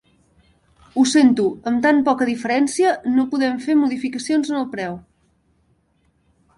Ho sento, amb tan poca diferència no podem fer modificacions en el preu.